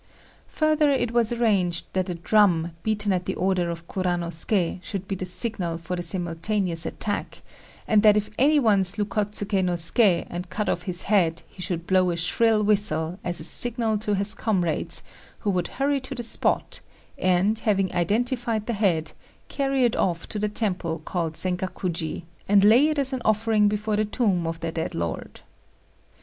Further it was arranged that a drum, beaten at the order of Kuranosuké, should be the signal for the simultaneous attack; and that if any one slew Kôtsuké no Suké and cut off his head he should blow a shrill whistle, as a signal to his comrades, who would hurry to the spot, and, having identified the head, carry it off to the temple called Sengakuji, and lay it as an offering before the tomb of their dead lord.